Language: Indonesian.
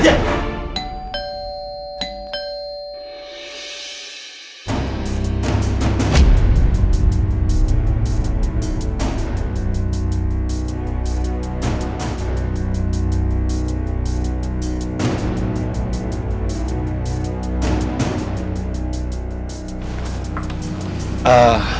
rey derr terutama